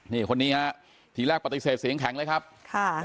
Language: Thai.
นี่คนนี้ฮะทีแรกปฏิเสธเสียงแข็งเลยครับค่ะ